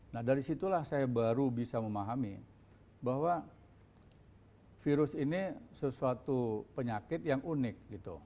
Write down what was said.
nah dari situlah saya baru bisa memahami bahwa virus ini sesuatu penyakit yang unik gitu